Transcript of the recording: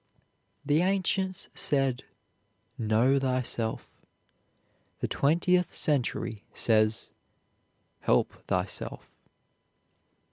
The ancients said, "Know thyself"; the twentieth century says, "Help thyself."